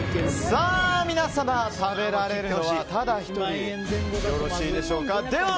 皆様食べられるのはただ１人よろしいでしょうか。